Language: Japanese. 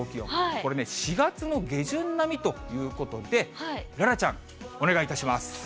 これね、４月の下旬並みということで、楽々ちゃん、お願いいたします。